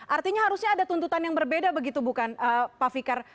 artinya harusnya ada tuntutan yang berbeda begitu bukan pak fikar